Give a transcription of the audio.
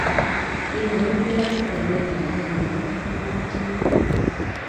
Kingoit kilasitab agenge akomamach komut chi